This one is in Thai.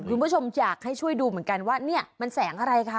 คุณผู้ชมอยากให้ช่วยดูเหมือนกันว่าเนี่ยมันแสงอะไรคะ